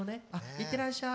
いってらっしゃい。